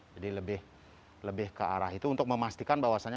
jadi lebih ke arah itu untuk memastikan bahwasannya